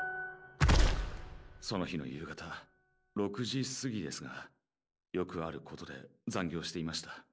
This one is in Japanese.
その日の夕方６時すぎですがよくあることで残業していました。